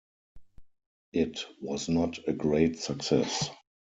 It was not a great success.